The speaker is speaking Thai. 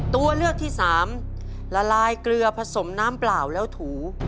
ตัวเลือกที่สามละลายเกลือผสมน้ำเปล่าแล้วถู